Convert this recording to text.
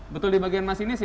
betul di bagian masinis